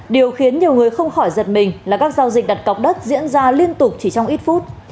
điều khiến nhiều người không khỏi giật mình là các giao dịch đặt cọc đất diễn ra liên tục chỉ trong ít phút